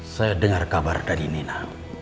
saya dengar kabar dari nina